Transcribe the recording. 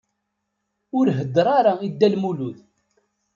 Ur heddeṛ ara i Dda Lmulud.